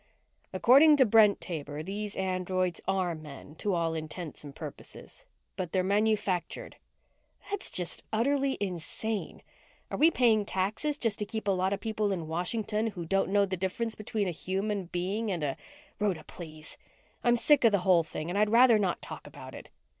"According to Brent Taber, these androids are men, to all intents and purposes, but they're manufactured." "That's just utterly insane. Are we paying taxes just to keep a lot of people in Washington who don't know the difference between a human being and a " "Rhoda! Please! I'm sick of the whole thing and I'd rather not talk about it."